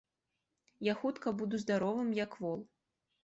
Я хутка буду здаровым як вол.